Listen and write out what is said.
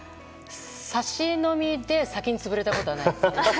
サシ飲みで先に潰れたことはないです。